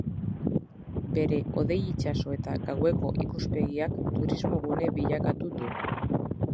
Bere hodei-itsaso eta gaueko ikuspegiak turismogune bilakatu du.